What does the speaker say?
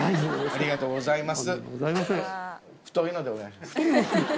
ありがとうございます。